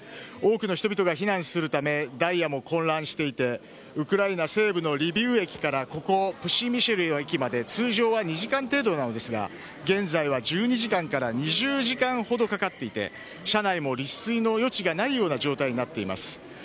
多くの人々が避難するため、ダイヤも混乱していて、ウクライナ西部のリビウ駅から、ここプシェミシル駅まで、通常は２時間程度なのですが、現在は１２時間から２０時間ほどかかっていて、車内も立すいの余地がないような状態になっています。